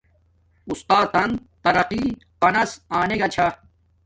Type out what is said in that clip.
اُستاتن ترقی پناس آنگا چھا